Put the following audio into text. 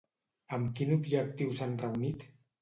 Amb quin objectiu s'han reunit?